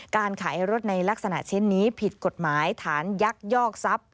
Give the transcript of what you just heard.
การขายรถในลักษณะเช่นนี้ผิดกฎหมายฐานยักยอกทรัพย์